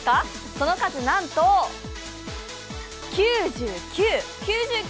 その数なんと、９９。